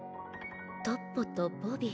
トッポとボビー。